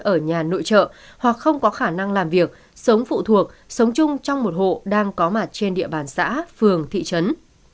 ở nhà nội trợ hoặc không có khả năng làm việc sống phụ thuộc sống chung trong một hộ đang có mặt trên địa bàn xã phường thị trấn